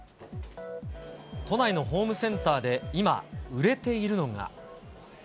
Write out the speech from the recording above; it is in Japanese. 都内のホームセンターで今、売れているのが。